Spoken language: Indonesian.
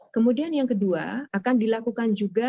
kemudian yang kedua akan dilakukan juga